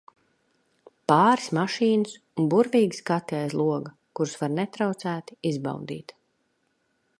Pāris mašīnas un burvīgi skati aiz loga, kurus var netraucēti izbaudīt.